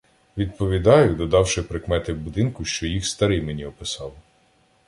Відповідаю, додавши прикмети будинку, що їх старий мені описав.